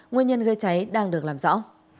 nguyên nhân gây cháy đang được làm rõ